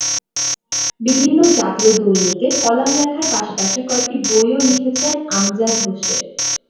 বিভিন্ন জাতীয় দৈনিকে কলাম লেখার পাশাপাশি কয়েকটি বইও লিখেছেন আমজাদ হোসেন।